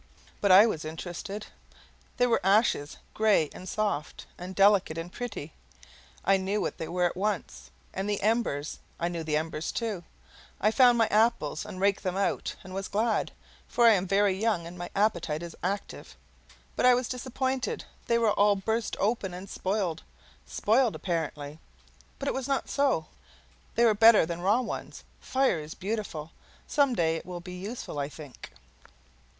But I was interested. There were ashes, gray and soft and delicate and pretty I knew what they were at once. And the embers; I knew the embers, too. I found my apples, and raked them out, and was glad; for I am very young and my appetite is active. But I was disappointed; they were all burst open and spoiled. Spoiled apparently; but it was not so; they were better than raw ones. Fire is beautiful; some day it will be useful, I think.